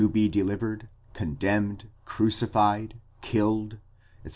(10 be delivered, condemned, crucified, killed, etc.)